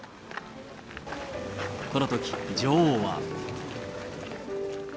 このとき、女王は。